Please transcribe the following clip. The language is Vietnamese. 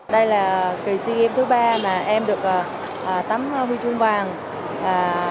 đây là kỳ sea games thứ ba mà em được tắm huy chương bạc